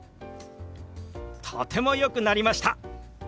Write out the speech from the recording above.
とてもよくなりました！